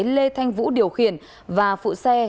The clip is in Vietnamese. lê thanh vũ điều khiển và phụ xe